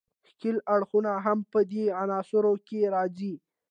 ښکیل اړخونه هم په دې عناصرو کې راځي.